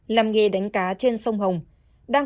làm nghề đánh cá trên sông hồng